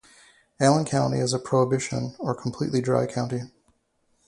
Allen County is a prohibition or completely dry county.